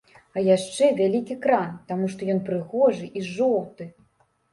А яшчэ вялікі кран, таму што ён прыгожы і жоўты.